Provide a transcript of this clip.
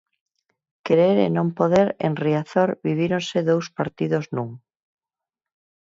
Querer e non poder En Riazor vivíronse dous partidos nun.